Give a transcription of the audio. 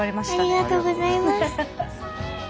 ありがとうございます。